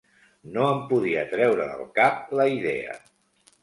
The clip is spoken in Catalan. No em podia treure del cap la idea